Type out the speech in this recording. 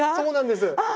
そうなんです。